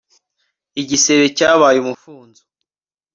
igisebe cyabaye umufunzo